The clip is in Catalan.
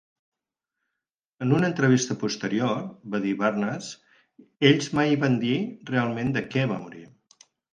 En una entrevista posterior, va dir Barnes, ells mai van dir realment de què va morir.